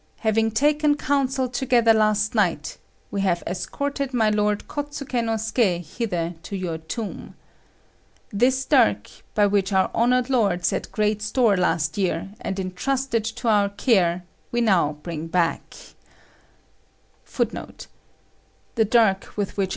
Having taken counsel together last night, we have escorted my Lord Kôtsuké no Suké hither to your tomb. This dirk, by which our honoured lord set great store last year, and entrusted to our care, we now bring back.